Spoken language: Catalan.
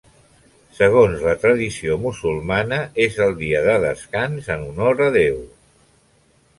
Segons la tradició musulmana és el dia de descans en honor a Déu.